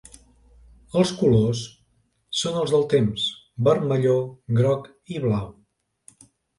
Els colors són els del temps: vermelló, groc i blau.